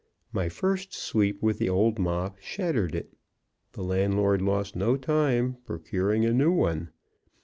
My first sweep with the old mop shattered it; the landlord lost no time procuring a new one.